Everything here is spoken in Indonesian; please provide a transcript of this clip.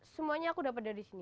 semuanya aku dapat dari sini